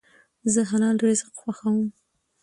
زه حلال رزق خوښوم.